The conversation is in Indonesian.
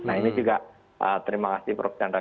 nah ini juga terima kasih prof chandra